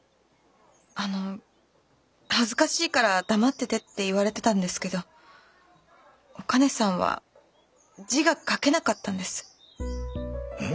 あの「恥ずかしいから黙ってて」って言われてたんですけどお兼さんは字が書けなかったんです。え！？